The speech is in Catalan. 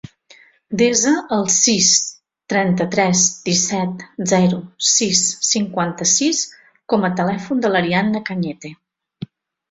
Desa el sis, trenta-tres, disset, zero, sis, cinquanta-sis com a telèfon de l'Ariadna Cañete.